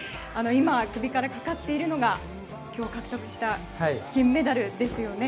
首からかかっているのが今日獲得した金メダルですよね。